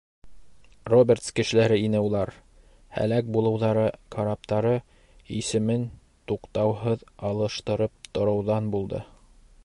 Робертс кешеләре ине улар. һәләк булыуҙары караптары исемен туҡтауһыҙ алыштырып тороуҙан булды.